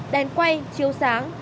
đèn quay chiếu sáng